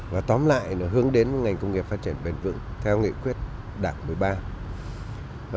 và tóm lại nó hướng đến ngành công nghiệp phát triển bền vững theo nghị quyết đảng một mươi ba